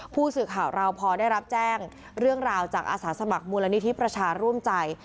ผู้สื่อข่าวเราพอได้รับแจ้งเรื่องราวจากอาสาสมัครมูลนิธิประชาร่วมใจ